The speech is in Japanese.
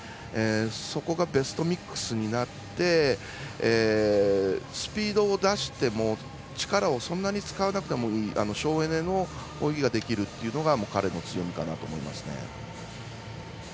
そこがベストミックスになってスピードを出しても力をそんなに使わなくてもいい省エネの泳ぎができるというのが彼の強みかなと思いますね。